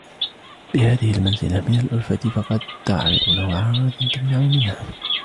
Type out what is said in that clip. بِهَذِهِ الْمَنْزِلَةِ مِنْ الْأُلْفَةِ فَقَدْ تَعْرِضُ لَهُ عَوَارِضُ تَمْنَعُ مِنْهَا